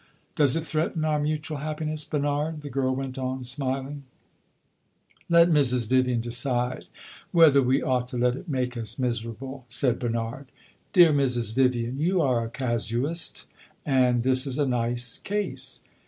"Does it threaten our mutual happiness, Bernard?" the girl went on, smiling. "Let Mrs. Vivian decide whether we ought to let it make us miserable," said Bernard. "Dear Mrs. Vivian, you are a casuist, and this is a nice case."